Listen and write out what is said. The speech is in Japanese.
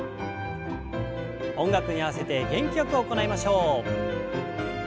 音楽に合わせて元気よく行いましょう。